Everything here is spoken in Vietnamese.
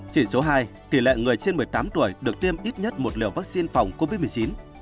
chỉ số hai tỷ lệ người trên một mươi tám tuổi được tiêm ít nhất một liều vaccine phòng covid một mươi chín